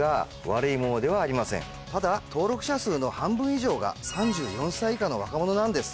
ただ登録者数の半分以上が３４歳以下の若者なんです。